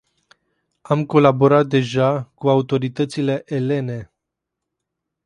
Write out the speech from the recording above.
Am colaborat deja cu autoritățile elene.